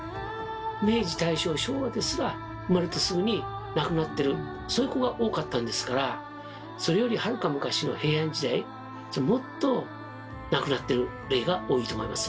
明治大正昭和ですら生まれてすぐに亡くなってるそういう子が多かったんですからそれよりはるか昔の平安時代もっと亡くなってる例が多いと思いますね。